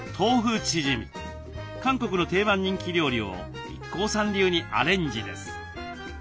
韓国の定番人気料理をＩＫＫＯさん流にアレンジです。